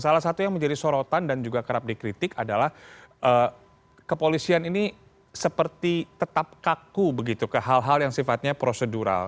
salah satu yang menjadi sorotan dan juga kerap dikritik adalah kepolisian ini seperti tetap kaku begitu ke hal hal yang sifatnya prosedural